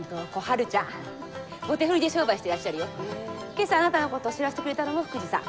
今朝あなたのこと知らせてくれたのも福治さん。